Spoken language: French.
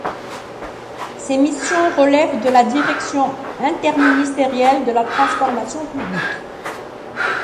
Ses missions relèvent de la direction interministérielle de la transformation publique.